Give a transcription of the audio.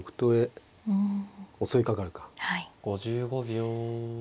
５５秒。